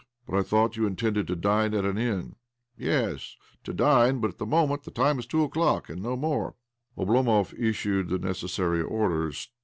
" But I thought you intended to dine at an inn? "" Yes, to dine, but at the moment the time is two o'clock, and no more." ' Oblomov issued the necessary orders.